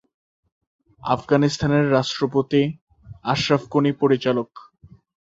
আফগানিস্তানের রাষ্ট্রপতি আশরাফ গনি পরিচালক।